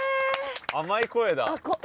甘い声だ。